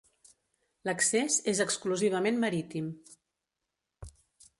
L'accés és exclusivament marítim.